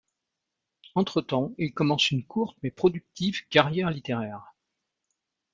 Entre-temps, il commence une courte mais productive carrière littéraire.